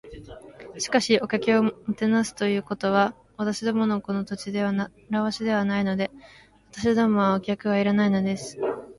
「しかし、お客をもてなすということは、私どものこの土地では慣わしではないので。私どもはお客はいらないのです」